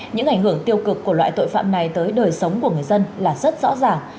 những ảnh hưởng tiêu cực của loại tội phạm này tới đời sống của người dân là rất rõ ràng